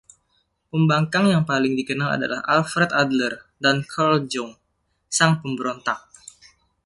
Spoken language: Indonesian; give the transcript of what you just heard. Pembangkang yang paling dikenal adalah Alfred Adler dan Carl Jung... Sang Pemberontak'.